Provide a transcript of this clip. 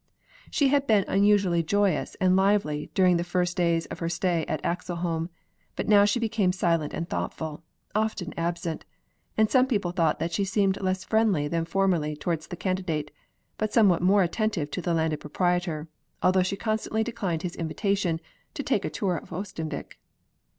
She had been unusually joyous and lively during the first days of her stay at Axelholm; but she now became silent and thoughtful, often absent; and some people thought that she seemed less friendly than formerly towards the Candidate, but somewhat more attentive to the Landed Proprietor, although she constantly declined his invitation "to take a tour to Oestanvik."